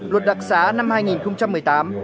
luật đặc sán năm hai nghìn một mươi tám